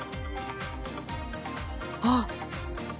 あっ！